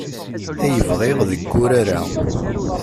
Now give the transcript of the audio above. Ay bɣiɣ deg wurar-a.